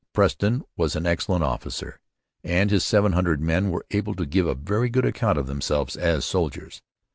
Preston was an excellent officer, and his seven hundred men were able to give a very good account of themselves as soldiers.